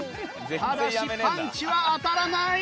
ただしパンチは当たらない！